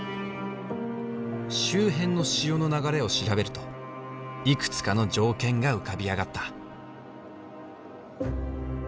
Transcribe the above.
周辺の潮の流れを調べるといくつかの条件が浮かび上がった。